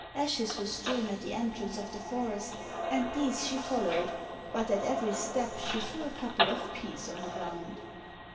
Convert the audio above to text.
Ashes were strewn at the entrance of the forest, and these she followed, but at every step she threw a couple of peas on the ground.